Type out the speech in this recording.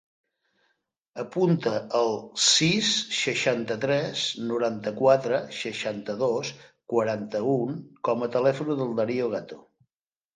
Apunta el sis, seixanta-tres, noranta-quatre, seixanta-dos, quaranta-u com a telèfon del Dario Gato.